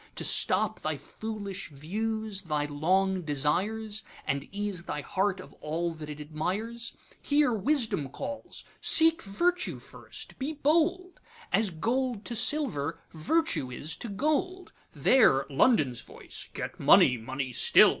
To stop thy foolish views, thy long desires, And ease thy heart of all that it admires? Here Wisdom calls, 'Seek Virtue first, be bold! As gold to silver, Virtue is to gold.'There London's voice, 'Get money, money still!